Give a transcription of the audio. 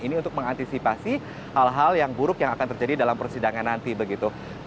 ini untuk mengantisipasi hal hal yang buruk yang akan terjadi dalam persidangan nanti begitu